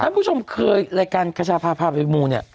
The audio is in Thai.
ถ้าผู้ชมเคยรายการขชาภาพชีวิปมูลเนี่ย